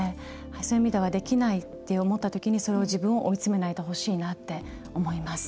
そういう意味ではできないって思ったときにそういう自分を追い詰めないでほしいなって思います。